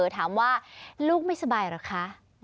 ถามว่าลูกไม่สบายเหรอคะ